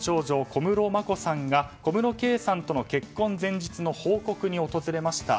小室眞子さんが小室圭さんとの結婚前日の報告に訪れました。